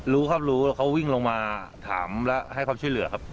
รู้ครับรู้เขาวิ่งลงมาถามและให้ความช่วยเหลือครับ